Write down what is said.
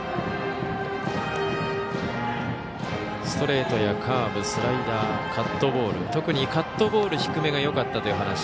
ストレートやカーブ、スライダーカットボール特にカットボール低めがよかったという話。